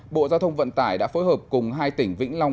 bộ giao thông vận tải đã phối hợp cùng hai tỉnh vĩnh long